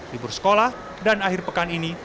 libur sekolah dan akhir pekan ini